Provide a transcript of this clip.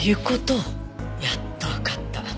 やっとわかった。